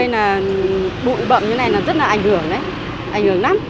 ngồi đây khó chịu lắm